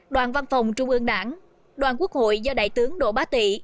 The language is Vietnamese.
đoàn văn phòng trung ương đảng đoàn quốc hội do đại tướng đỗ bá tị